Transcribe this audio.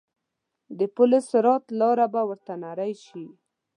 د پل صراط لاره به ورته نرۍ شي.